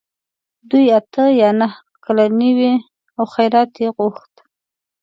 دوی اته یا نهه کلنې وې او خیرات یې غوښت.